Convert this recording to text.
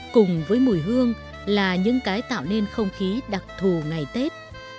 cùng với mùi hương là những cái tạo nên không khí đặc thù ngày tết